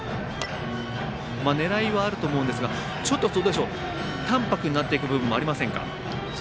狙いはあると思うんですが淡白になっていく部分もありませんか？